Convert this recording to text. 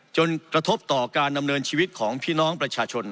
กระทบต่อการดำเนินชีวิตของพี่น้องประชาชน